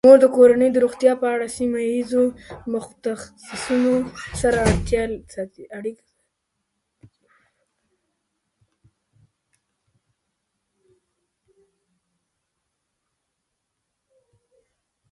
مور د کورنۍ د روغتیا په اړه د سیمه ایزو متخصصینو سره اړیکه ساتي.